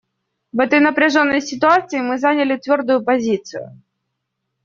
В этой напряженной ситуации мы заняли твердую позицию.